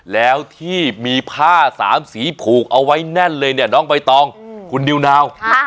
แล้วที่มีผ้าสามสีผูกเอาไว้แน่นเลยเนี่ยน้องใบตองคุณนิวนาว